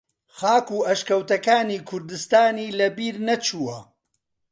خاک و ئەشکەوتەکانی کوردستانی لە بیر نەچووە